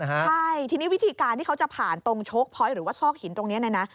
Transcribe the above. ใช่ทีนี้วิธีการที่เขาจะผ่านตรงโชคพอยต์หรือว่าซอกหินตรงนี้นะนะ